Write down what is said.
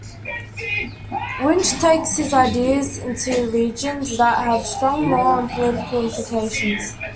Winch takes his ideas into regions that have strong moral and political implications.